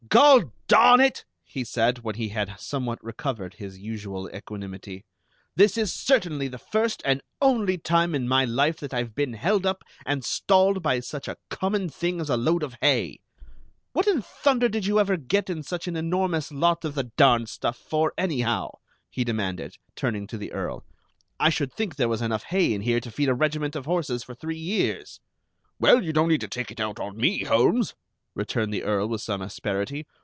"Gol darn it!" he said, when he had somewhat recovered his usual equanimity; "this is certainly the first and only time in my life that I've been held up and stalled by such a common thing as a load of hay! What in thunder did you ever get in such an enormous lot of the darned stuff for, anyhow?" he demanded, turning to the Earl. "I should think there was enough hay in here to feed a regiment of horses for three years!" "Well, you don't need to take it out on me, Holmes," returned the Earl with some asperity.